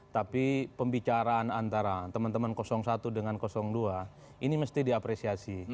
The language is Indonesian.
tapi pembicaraan antara teman teman satu dengan dua ini mesti diapresiasi